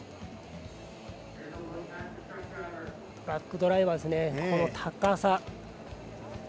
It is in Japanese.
バックドライブはこの高さ。